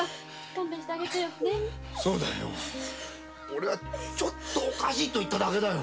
オレはちょっとおかしいと言っただけだよ。